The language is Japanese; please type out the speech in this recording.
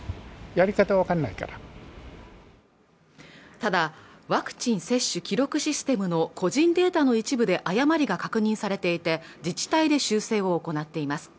ただワクチン接種記録システムの個人データの一部で誤りが確認されていて自治体で修正を行っています